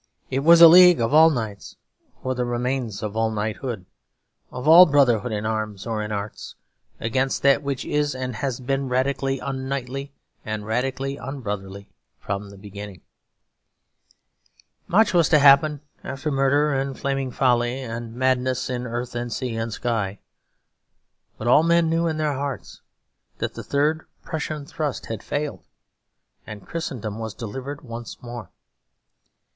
It was a league of all knights for the remains of all knighthood, of all brotherhood in arms or in arts, against that which is and has been radically unknightly and radically unbrotherly from the beginning. Much was to happen after murder and flaming folly and madness in earth and sea and sky; but all men knew in their hearts that the third Prussian thrust had failed, and Christendom was delivered once more.